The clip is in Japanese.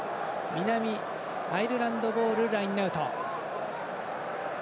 アイルランドボールラインアウト。